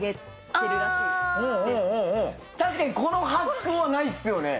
確かにこの発想はないっすよね。